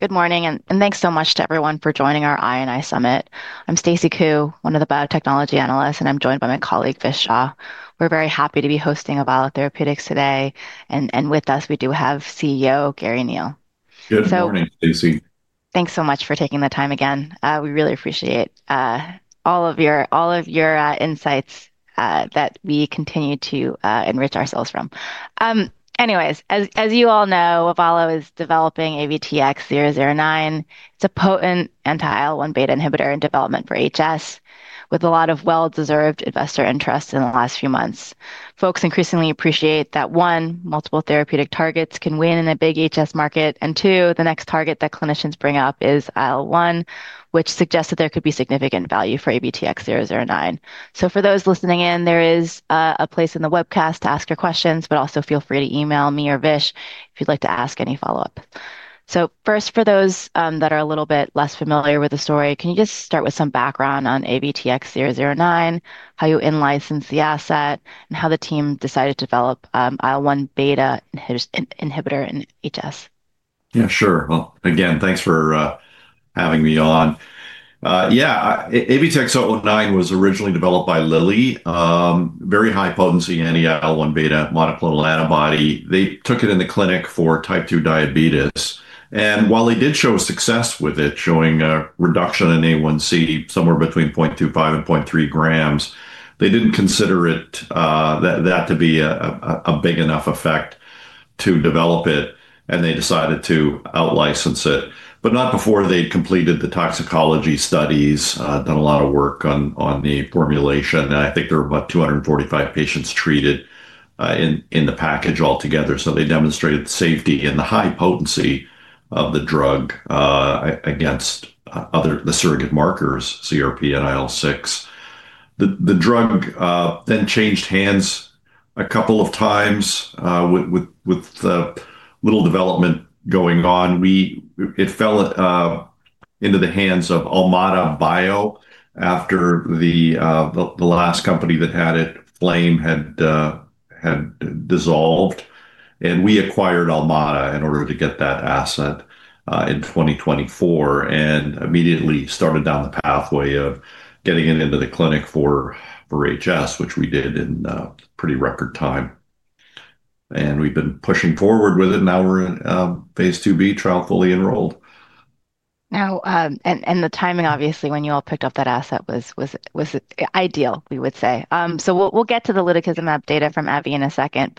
Good morning, and thanks so much to everyone for joining our I&I Summit. I'm Stacy Ku, one of the biotechnology analysts, and I'm joined by my colleague, Vish Shah. We're very happy to be hosting Avalo Therapeutics today. With us, we do have CEO, Garry Neil. Good morning, Stacy. Thanks so much for taking the time again. We really appreciate all of your insights that we continue to enrich ourselves from. Anyways, as you all know, Avalo is developing AVTX-009. It's a potent anti-IL-1 Beta inhibitor in development for HS, with a lot of well-deserved investor interest in the last few months. Folks increasingly appreciate that, one, multiple therapeutic targets can win in a big HS market, and two, the next target that clinicians bring up is IL-1, which suggests that there could be significant value for AVTX-009. For those listening in, there is a place in the webcast to ask your questions, but also feel free to email me or Vish if you'd like to ask any follow-up. First, for those that are a little bit less familiar with the story, can you just start with some background on AVTX-009, how you in-licensed the asset, and how the team decided to develop IL-1 Beta inhibitor in HS? Yeah, sure. Again, thanks for having me on. Yeah, AVTX-009 was originally developed by Eli Lilly, very high potency anti-IL-1 Beta monoclonal antibody. They took it in the clinic for type II diabetes. While they did show success with it, showing a reduction in A1C somewhere between 0.25 g and 0.3 g, they did not consider that to be a big enough effect to develop it, and they decided to out-license it. Not before they had completed the toxicology studies, done a lot of work on the formulation. I think there were about 245 patients treated in the package altogether. They demonstrated the safety and the high potency of the drug against the surrogate markers, CRP and IL-6. The drug then changed hands a couple of times with little development going on. It fell into the hands of AlmataBio after the last company that had it, Flame, had dissolved. We acquired AlmataBio in order to get that asset in 2024 and immediately started down the pathway of getting it into the clinic for HS, which we did in pretty record time. We've been pushing forward with it. Now we're in phase 2B, trial fully enrolled. Now, and the timing, obviously, when you all picked up that asset was ideal, we would say. We'll get to the Lutikizumab data from AbbVie in a second.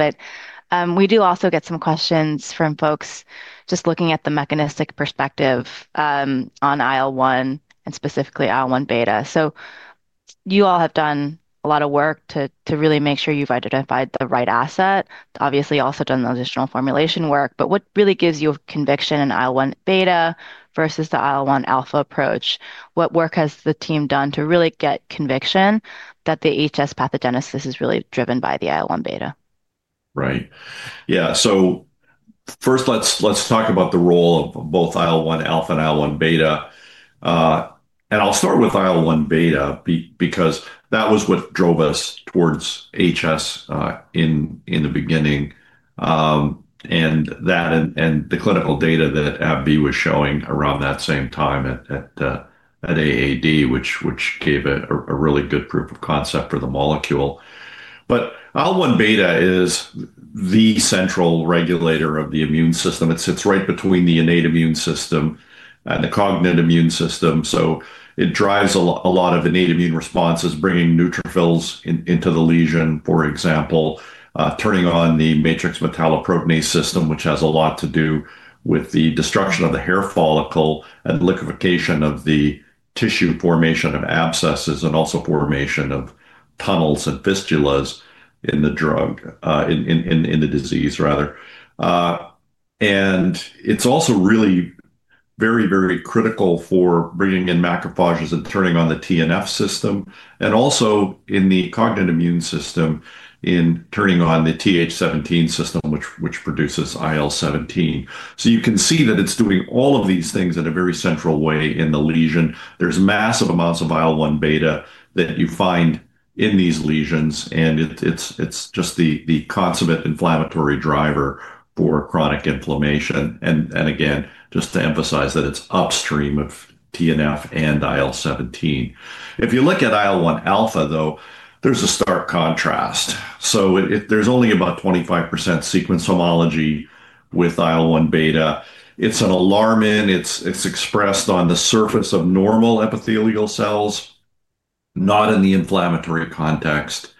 We do also get some questions from folks just looking at the mechanistic perspective on IL-1 and specifically IL-1 Beta. You all have done a lot of work to really make sure you've identified the right asset, obviously also done the additional formulation work. What really gives you conviction in IL-1 Beta versus the IL-1 Alpha approach? What work has the team done to really get conviction that the HS pathogenesis is really driven by the IL-1 Beta? Right. Yeah. First, let's talk about the role of both IL-1 Alpha and IL-1 Beta. I'll start with IL-1 Beta because that was what drove us towards HS in the beginning. The clinical data that AbbVie was showing around that same time at AAD gave a really good proof of concept for the molecule. IL-1 Beta is the central regulator of the immune system. It sits right between the innate immune system and the cognitive immune system. It drives a lot of innate immune responses, bringing neutrophils into the lesion, for example, turning on the matrix metalloprotease system, which has a lot to do with the destruction of the hair follicle and liquefaction of the tissue, formation of abscesses, and also formation of tunnels and fistulas in the disease, rather. It is also really very, very critical for bringing in macrophages and turning on the TNF system, and also in the cognitive immune system in turning on the Th17 system, which produces IL-17. You can see that it is doing all of these things in a very central way in the lesion. There are massive amounts of IL-1 Beta that you find in these lesions, and it is just the consummate inflammatory driver for chronic inflammation. Again, just to emphasize that it is upstream of TNF and IL-17. If you look at IL-1 Alpha, though, there is a stark contrast. There is only about 25% sequence homology with IL-1 Beta. It is an alarmin. It is expressed on the surface of normal epithelial cells, not in the inflammatory context.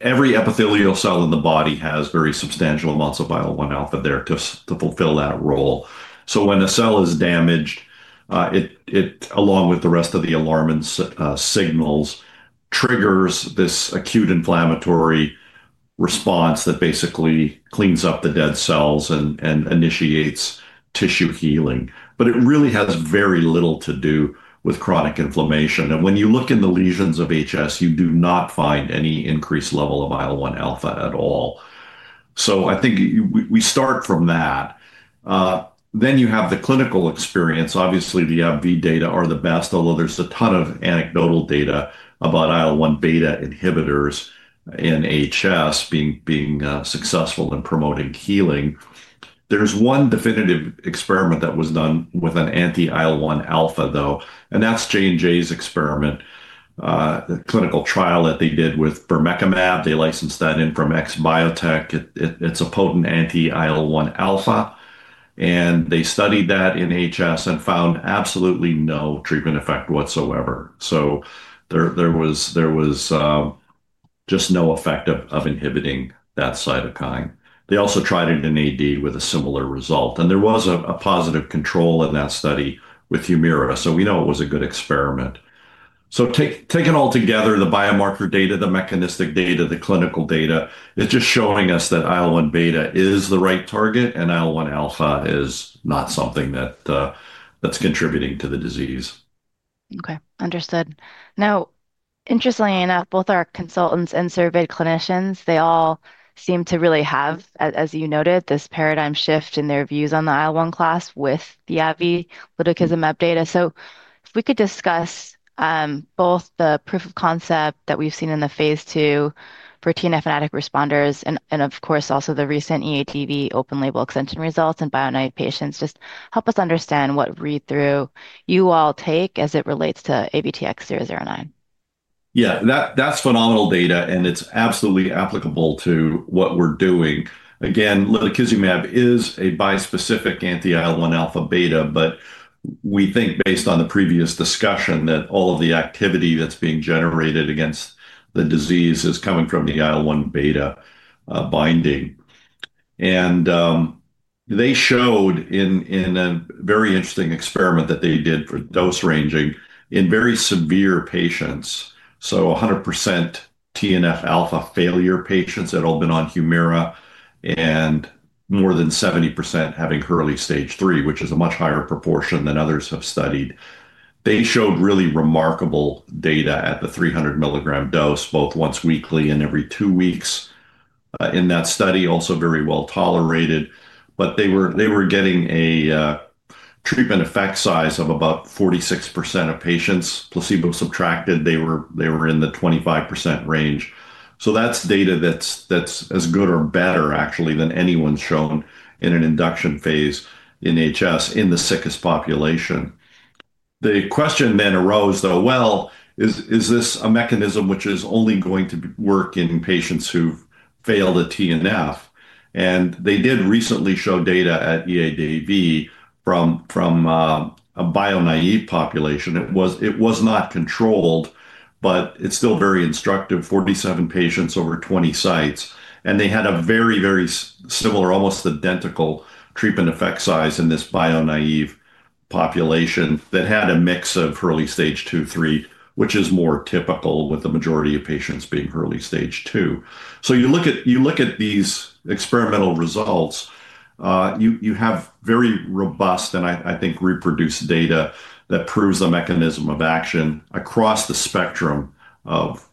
Every epithelial cell in the body has very substantial amounts of IL-1 Alpha there to fulfill that role. When a cell is damaged, it, along with the rest of the alarming signals, triggers this acute inflammatory response that basically cleans up the dead cells and initiates tissue healing. It really has very little to do with chronic inflammation. When you look in the lesions of HS, you do not find any increased level of IL-1 Alpha at all. I think we start from that. You have the clinical experience. Obviously, the AbbVie data are the best, although there's a ton of anecdotal data about IL-1 Beta inhibitors in HS being successful in promoting healing. There is one definitive experiment that was done with an anti-IL-1 Aplha, though, and that's J&J's experiment, the clinical trial that they did with Bermekimab. They licensed that in from XBiotech. It's a potent anti-IL-1 Aplha. They studied that in HS and found absolutely no treatment effect whatsoever. There was just no effect of inhibiting that cytokine. They also tried it in AD with a similar result. There was a positive control in that study with Humira. We know it was a good experiment. Taken all together, the biomarker data, the mechanistic data, the clinical data, it's just showing us that IL-1 Beta is the right target and IL-1 Alpha is not something that's contributing to the disease. Okay. Understood. Now, interestingly enough, both our consultants and surveyed clinicians, they all seem to really have, as you noted, this paradigm shift in their views on the IL-1 class with the AbbVie Lutikizumab data. If we could discuss both the proof of concept that we've seen in the phase two for TNF inadequate responders and, of course, also the recent EADV open label extension results in bio-naive patients, just help us understand what read-through you all take as it relates to AVTX-009. Yeah, that's phenomenal data, and it's absolutely applicable to what we're doing. Again, Lutikizumab is a bispecific anti-IL-1 Alpha/Beta, but we think based on the previous discussion that all of the activity that's being generated against the disease is coming from the IL-1 Beta binding. They showed in a very interesting experiment that they did for dose ranging in very severe patients, so 100% TNF failure patients that had all been on Humira and more than 70% having early stage three, which is a much higher proportion than others have studied. They showed really remarkable data at the 300 mg dose, both once weekly and every two weeks in that study, also very well tolerated. They were getting a treatment effect size of about 46% of patients. Placebo-subtracted, they were in the 25% range. That's data that's as good or better, actually, than anyone's shown in an induction phase in HS in the sickest population. The question then arose, though, is this a mechanism which is only going to work in patients who've failed a TNF? They did recently show data at EADV from a bio-naive population. It was not controlled, but it's still very instructive, 47 patients over 20 sites. They had a very, very similar, almost identical treatment effect size in this bio-naive population that had a mix of early stage two, three, which is more typical with the majority of patients being early stage two. You look at these experimental results, you have very robust, and I think reproduced data that proves a mechanism of action across the spectrum of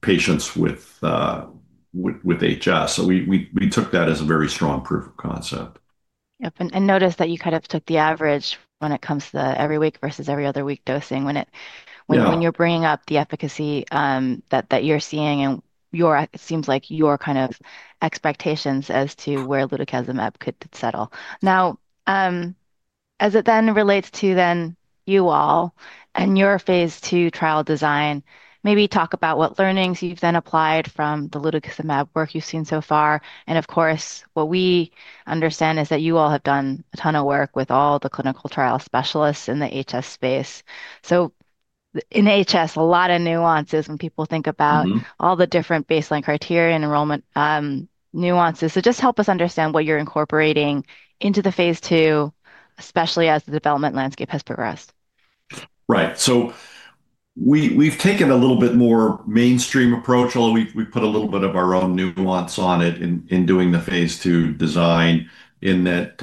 patients with HS. We took that as a very strong proof of concept. Yep. And noticed that you kind of took the average when it comes to every week versus every other week dosing when you're bringing up the efficacy that you're seeing and it seems like your kind of expectations as to where Lutikizumab could settle. Now, as it then relates to then you all and your phase two trial design, maybe talk about what learnings you've then applied from the Lutikizumab work you've seen so far. And of course, what we understand is that you all have done a ton of work with all the clinical trial specialists in the HS space. In HS, a lot of nuances when people think about all the different baseline criteria and enrollment nuances. Just help us understand what you're incorporating into the phase two, especially as the development landscape has progressed. Right. So we've taken a little bit more mainstream approach, although we put a little bit of our own nuance on it in doing the phase two design in that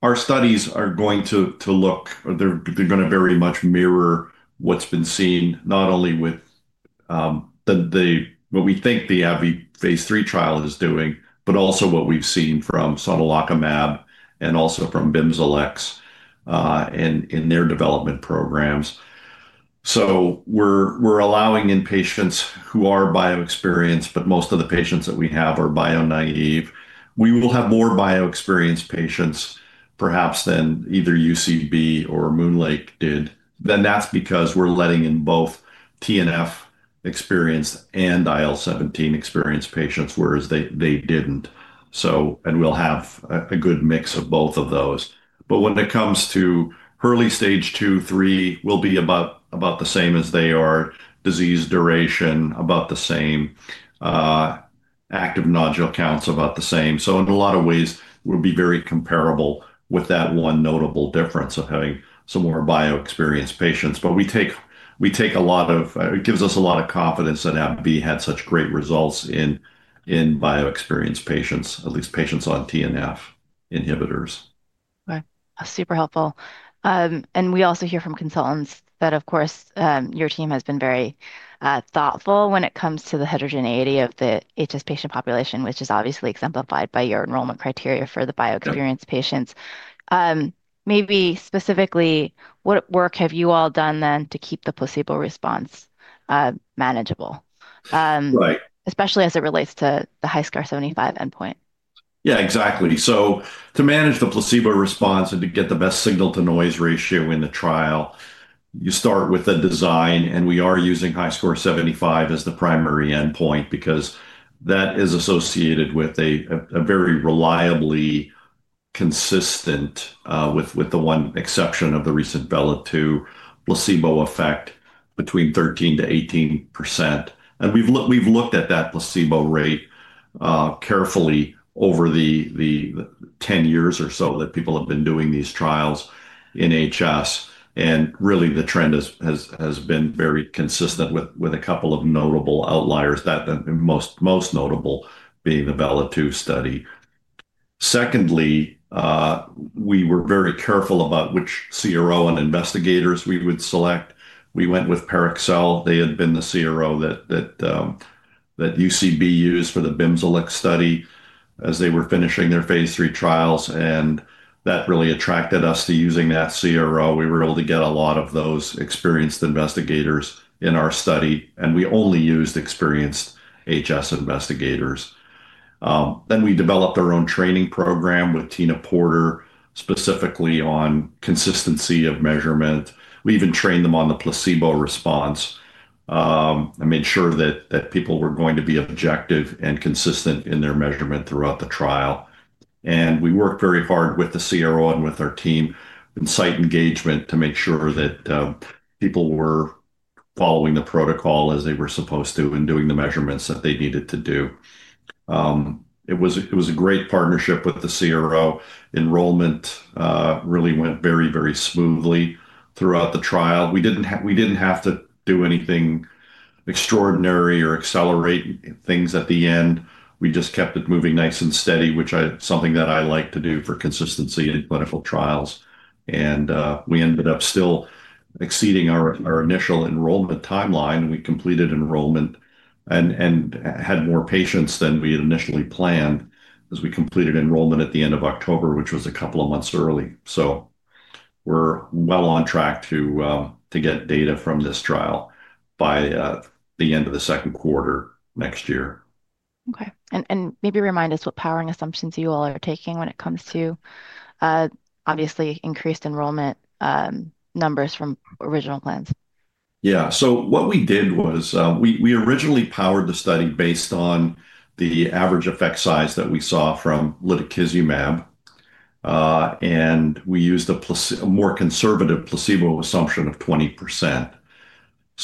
our studies are going to look, they're going to very much mirror what's been seen, not only with what we think the AbbVie phase three trial is doing, but also what we've seen from Sonelokimab and also from Bimzelx in their development programs. We are allowing in patients who are bio-experienced, but most of the patients that we have are bio-naive. We will have more bio-experienced patients, perhaps than either UCB or MoonLake did. That is because we're letting in both TNF experienced and IL-17 experienced patients, whereas they did not. We will have a good mix of both of those. When it comes to early stage two, three, we will be about the same as they are. Disease duration, about the same. Active nodule counts, about the same. In a lot of ways, we'll be very comparable with that one notable difference of having some more bio-experienced patients. We take a lot of, it gives us a lot of confidence that AbbVie had such great results in bio-experienced patients, at least patients on TNF inhibitors. Okay. Super helpful. We also hear from consultants that, of course, your team has been very thoughtful when it comes to the heterogeneity of the HS patient population, which is obviously exemplified by your enrollment criteria for the bio-experienced patients. Maybe specifically, what work have you all done then to keep the placebo response manageable, especially as it relates to the HiSCR 75 endpoint? Yeah, exactly. To manage the placebo response and to get the best signal-to-noise ratio in the trial, you start with a design, and we are using HiSCR 75 as the primary endpoint because that is associated with a very reliably consistent, with the one exception of the recent Belle II placebo effect between 13%-18%. We've looked at that placebo rate carefully over the 10 years or so that people have been doing these trials in HS. Really, the trend has been very consistent with a couple of notable outliers, the most notable being the Belle II study. Secondly, we were very careful about which CRO and investigators we would select. We went with Parexel. They had been the CRO that UCB used for the Bimzelx study as they were finishing their phase three trials. That really attracted us to using that CRO. We were able to get a lot of those experienced investigators in our study. We only used experienced HS investigators. We developed our own training program with Tina Porter specifically on consistency of measurement. We even trained them on the placebo response and made sure that people were going to be objective and consistent in their measurement throughout the trial. We worked very hard with the CRO and with our team in site engagement to make sure that people were following the protocol as they were supposed to and doing the measurements that they needed to do. It was a great partnership with the CRO. Enrollment really went very, very smoothly throughout the trial. We did not have to do anything extraordinary or accelerate things at the end. We just kept it moving nice and steady, which is something that I like to do for consistency in clinical trials. We ended up still exceeding our initial enrollment timeline. We completed enrollment and had more patients than we had initially planned as we completed enrollment at the end of October, which was a couple of months early. We are well on track to get data from this trial by the end of the second quarter next year. Okay. Maybe remind us what powering assumptions you all are taking when it comes to, obviously, increased enrollment numbers from original plans. Yeah. What we did was we originally powered the study based on the average effect size that we saw from Lutikizumab. We used a more conservative placebo assumption of 20%.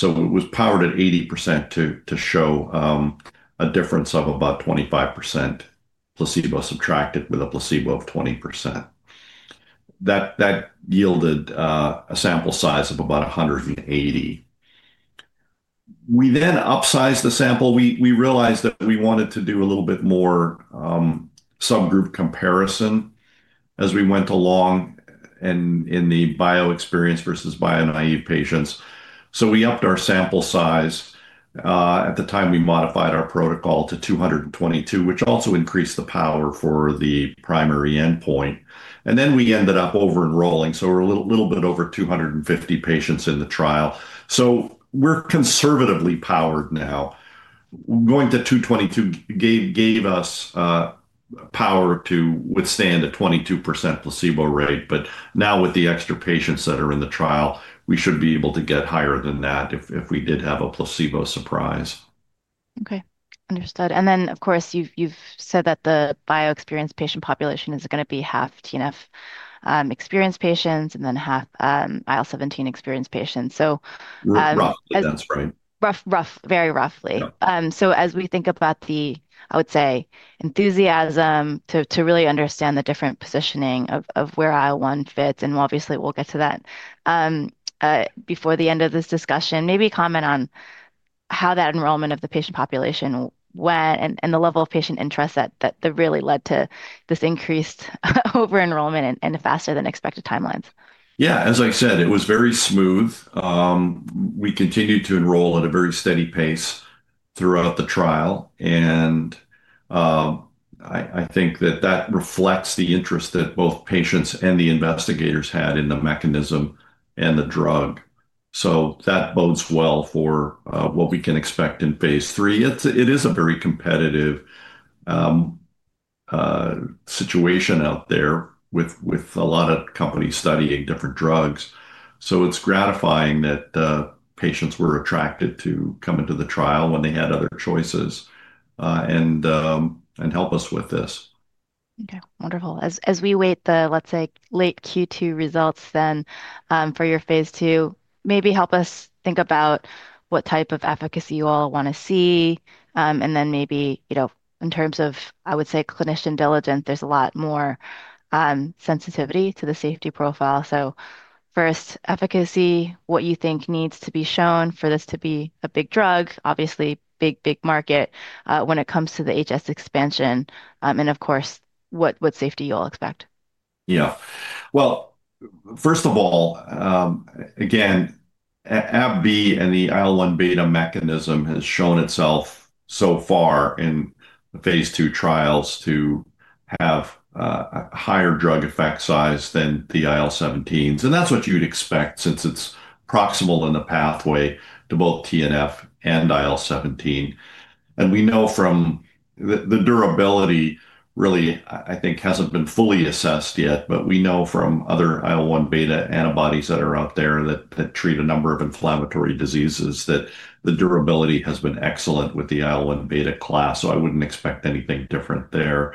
It was powered at 80% to show a difference of about 25% placebo-subtracted with a placebo of 20%. That yielded a sample size of about 180. We then upsized the sample. We realized that we wanted to do a little bit more subgroup comparison as we went along in the bio-experienced versus bio-naive patients. We upped our sample size. At the time, we modified our protocol to 222, which also increased the power for the primary endpoint. We ended up over-enrolling. We are a little bit over 250 patients in the trial. We are conservatively powered now. Going to 222 gave us power to withstand a 22% placebo rate. Now with the extra patients that are in the trial, we should be able to get higher than that if we did have a placebo surprise. Okay. Understood. And then, of course, you've said that the bio-experienced patient population is going to be half TNF experienced patients and then half IL-17 experienced patients. So. Roughly, that's right. Rough, very roughly. As we think about the, I would say, enthusiasm to really understand the different positioning of where IL-1 fits, and obviously, we'll get to that before the end of this discussion, maybe comment on how that enrollment of the patient population went and the level of patient interest that really led to this increased over-enrollment and faster than expected timelines. Yeah. As I said, it was very smooth. We continued to enroll at a very steady pace throughout the trial. I think that that reflects the interest that both patients and the investigators had in the mechanism and the drug. That bodes well for what we can expect in phase three. It is a very competitive situation out there with a lot of companies studying different drugs. It is gratifying that patients were attracted to come into the trial when they had other choices and help us with this. Okay. Wonderful. As we wait the, let's say, late Q2 results then for your phase two, maybe help us think about what type of efficacy you all want to see. Maybe in terms of, I would say, clinician diligence, there's a lot more sensitivity to the safety profile. First, efficacy, what you think needs to be shown for this to be a big drug, obviously, big, big market when it comes to the HS expansion. Of course, what safety you all expect. Yeah. First of all, again, AbbVie and the IL-1 Beta mechanism has shown itself so far in the phase two trials to have a higher drug effect size than the IL-17s. That's what you'd expect since it's proximal in the pathway to both TNF and IL-17. We know from the durability, really, I think hasn't been fully assessed yet, but we know from other IL-1 Beta antibodies that are out there that treat a number of inflammatory diseases that the durability has been excellent with the IL-1 Beta class. I wouldn't expect anything different there.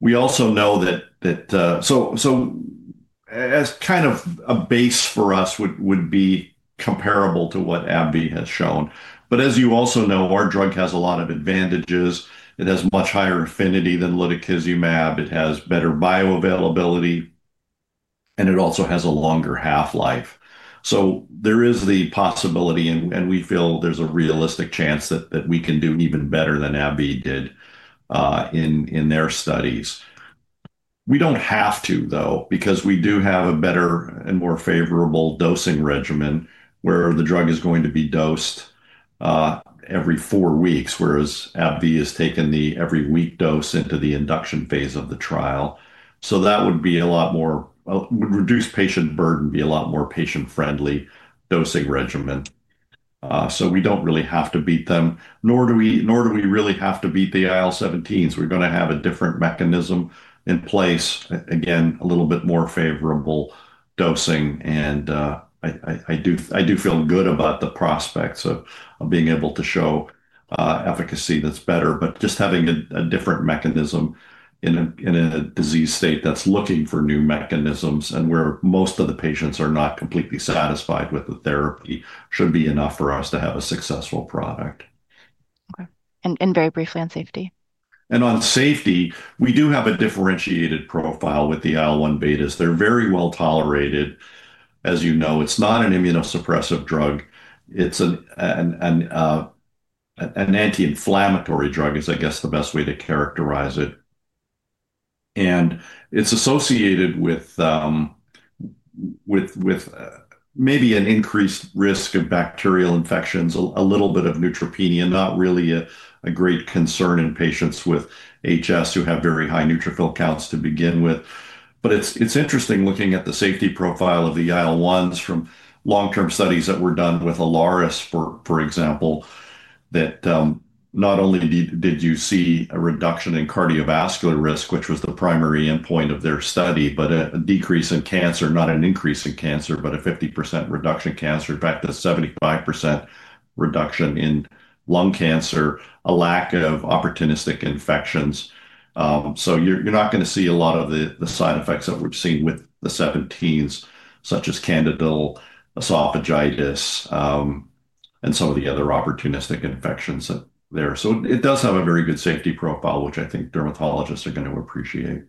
We also know that, as kind of a base for us, would be comparable to what AbbVie has shown. As you also know, our drug has a lot of advantages. It has much higher affinity than Lutikizumab. It has better bioavailability. It also has a longer half-life. There is the possibility, and we feel there's a realistic chance that we can do even better than AbbVie did in their studies. We don't have to, though, because we do have a better and more favorable dosing regimen where the drug is going to be dosed every four weeks, whereas AbbVie has taken the every week dose into the induction phase of the trial. That would be a lot more, would reduce patient burden, be a lot more patient-friendly dosing regimen. We don't really have to beat them, nor do we really have to beat the IL-17s. We're going to have a different mechanism in place, again, a little bit more favorable dosing. I do feel good about the prospects of being able to show efficacy that's better, but just having a different mechanism in a disease state that's looking for new mechanisms and where most of the patients are not completely satisfied with the therapy should be enough for us to have a successful product. Okay. Very briefly on safety. On safety, we do have a differentiated profile with the IL-1 Betas. They're very well tolerated. As you know, it's not an immunosuppressive drug. It's an anti-inflammatory drug, is I guess the best way to characterize it. It's associated with maybe an increased risk of bacterial infections, a little bit of neutropenia, not really a great concern in patients with HS who have very high neutrophil counts to begin with. It's interesting looking at the safety profile of the IL-1s from long-term studies that were done with Ilaris, for example, that not only did you see a reduction in cardiovascular risk, which was the primary endpoint of their study, but a decrease in cancer, not an increase in cancer, but a 50% reduction in cancer, in fact, a 75% reduction in lung cancer, a lack of opportunistic infections. You're not going to see a lot of the side effects that we've seen with the 17s, such as Candidal esophagitis and some of the other opportunistic infections there. It does have a very good safety profile, which I think dermatologists are going to appreciate.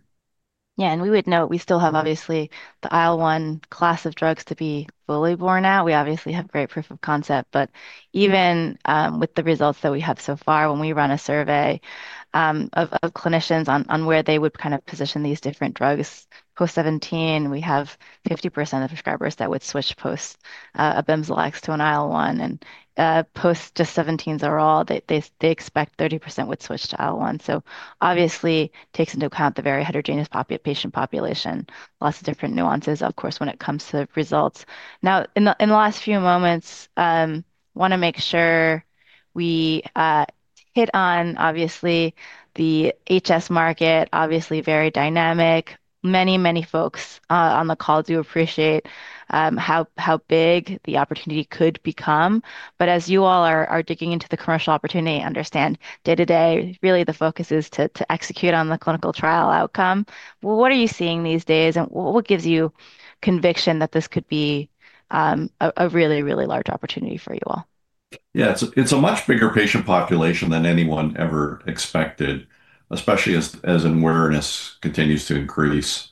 Yeah. We would note we still have, obviously, the IL-1 class of drugs to be fully borne out. We obviously have great proof of concept. Even with the results that we have so far, when we run a survey of clinicians on where they would kind of position these different drugs, post-17, we have 50% of prescribers that would switch post a Bimzelx to an IL-1. Post just 17s are all, they expect 30% would switch to IL-1. It takes into account the very heterogeneous patient population, lots of different nuances, of course, when it comes to results. In the last few moments, I want to make sure we hit on, obviously, the HS market, obviously, very dynamic. Many, many folks on the call do appreciate how big the opportunity could become. As you all are digging into the commercial opportunity, I understand day-to-day, really, the focus is to execute on the clinical trial outcome. What are you seeing these days? What gives you conviction that this could be a really, really large opportunity for you all? Yeah. It's a much bigger patient population than anyone ever expected, especially as awareness continues to increase.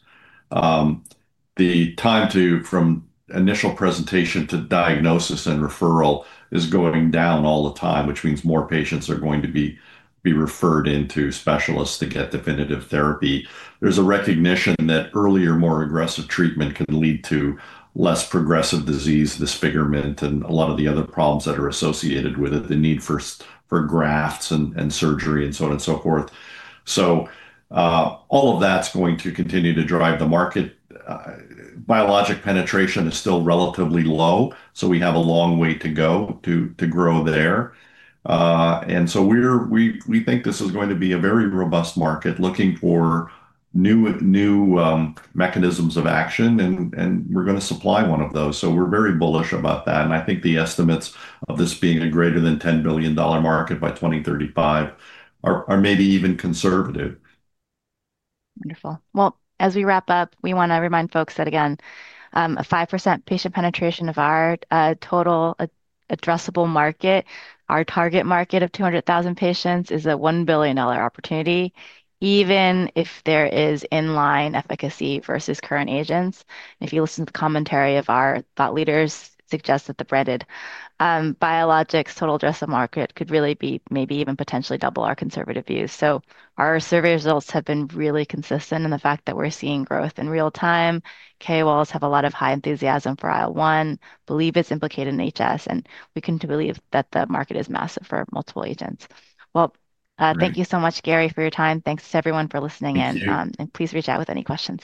The time from initial presentation to diagnosis and referral is going down all the time, which means more patients are going to be referred into specialists to get definitive therapy. There's a recognition that earlier, more aggressive treatment can lead to less progressive disease, disfigurement, and a lot of the other problems that are associated with it, the need for grafts and surgery and so on and so forth. All of that's going to continue to drive the market. Biologic penetration is still relatively low. We have a long way to go to grow there. We think this is going to be a very robust market looking for new mechanisms of action. We're going to supply one of those. We're very bullish about that. I think the estimates of this being a greater than $10 billion market by 2035 are maybe even conservative. Wonderful. As we wrap up, we want to remind folks that, again, a 5% patient penetration of our total addressable market, our target market of 200,000 patients is a $1 billion opportunity, even if there is inline efficacy versus current agents. If you listen to the commentary of our thought leaders, it suggests that the branded biologics total addressable market could really be maybe even potentially double our conservative views. Our survey results have been really consistent in the fact that we're seeing growth in real time. KOLs have a lot of high enthusiasm for IL-1, believe it's implicated in HS. We can believe that the market is massive for multiple agents. Thank you so much, Garry, for your time. Thanks to everyone for listening. Please reach out with any questions.